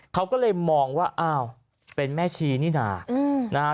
เขาก็เลยมองว่าเป็นแม่ชีนี่น่า